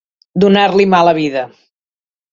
Donar-li mala vida.